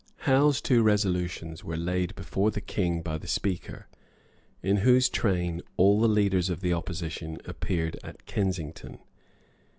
Howe's two resolutions were laid before the King by the Speaker, in whose train all the leaders of the opposition appeared at Kensington.